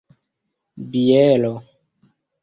biero